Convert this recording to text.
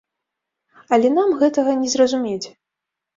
Але нам гэтага не зразумець.